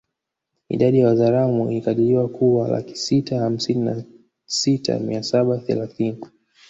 Idadi ya Wazaramo ilikadiriwa kuwa laki sita hamsini na sita mia saba thelathini